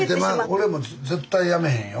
俺も絶対やめへんよ。